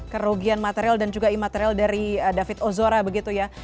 kerugian material dan juga imaterial dari david ozora begitu ya